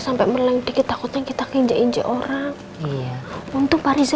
sampai melengkit takutnya kita kinjak injak orang untuk parisasi gap